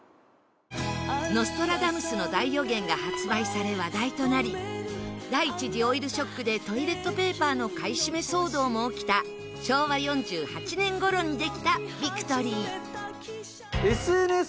『ノストラダムスの大予言』が発売され話題となり第１次オイルショックでトイレットペーパーの買い占め騒動も起きた昭和４８年頃にできた『ビクトリィ』。